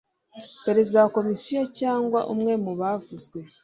Perezida wa Komisiyo cyangwa umwe mu bavuzwe